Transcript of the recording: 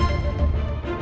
aku akan mencari cherry